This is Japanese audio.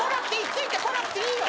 ついてこなくていいよ。